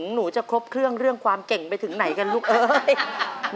หนูจะครบเครื่องเรื่องความเก่งไปถึงไหนกันลูกเอ้ย